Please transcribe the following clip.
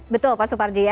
betul pak suparji ya